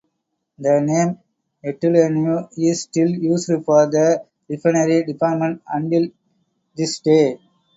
The name Edeleanu is still used for the refinery department until this day.